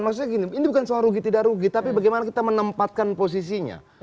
maksudnya gini ini bukan soal rugi tidak rugi tapi bagaimana kita menempatkan posisinya